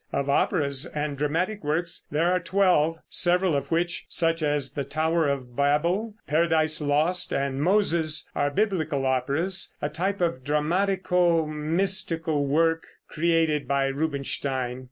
Of operas and dramatic works there are twelve, several of which, such as "The Tower of Babel," "Paradise Lost" and "Moses," are biblical operas, a type of dramatico mystical work created by Rubinstein.